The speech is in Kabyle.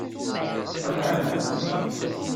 Tqelɛem.